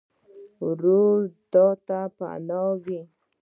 ورور د تا پناه وي.